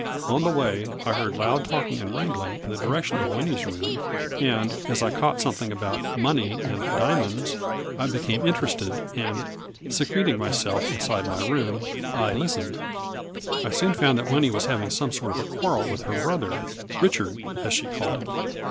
On the way I heard loud talking and wrangling in the direc tion of Winnie's room, and, as I caught some thing about ' money ' and 4 diamonds,' I became interested, and, secreting myself inside my room, I listened. I soon found that Winnie was having some sort of a quarrel with her brother, Richard, as she called him.